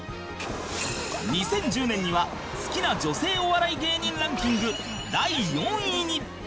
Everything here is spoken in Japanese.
２０１０年には「好きな女性お笑い芸人ランキング」第４位に